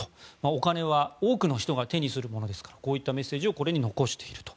お金は多くの人が手にする人ですからこういったメッセージをこれに残していると。